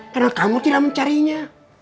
karena kamu tidak mencarinya